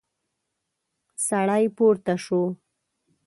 سړی پورته شو.